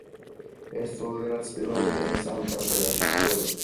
ეს მოვლენაც პირველად ატენის ამ წარწერაში გვხვდება.